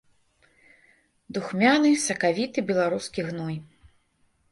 Духмяны, сакавіты беларускі гной.